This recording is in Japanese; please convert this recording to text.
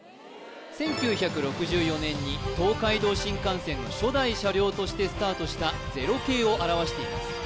１９６４年に東海道新幹線の初代車両としてスタートした０系を表しています